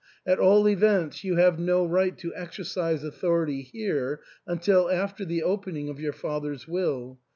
At all events, you have no right to exercise authority here until after the opening of your father's will.